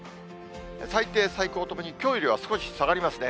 最低、最高ともにきょうよりは少し下がりますね。